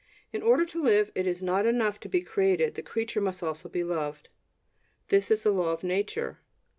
In order to live, it is not enough to be created; the creature must also be loved. This is the law of nature.